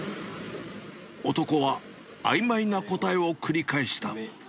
男はあいまいな答えを繰り返